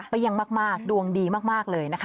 เปรี้ยงมากดวงดีมากเลยนะคะ